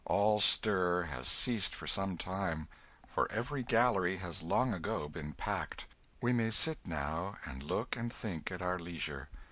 All stir has ceased for some time, for every gallery has long ago been packed. We may sit, now, and look and think at our leisure.